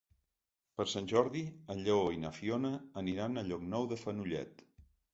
Per Sant Jordi en Lleó i na Fiona aniran a Llocnou d'en Fenollet.